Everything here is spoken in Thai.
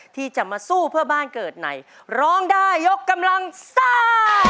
ที่จะมาสู้เพื่อบ้านเกิดในร้องได้ยกกำลังซ่า